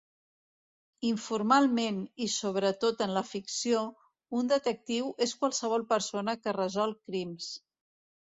Informalment i sobretot en la ficció, un detectiu és qualsevol persona que resol crims.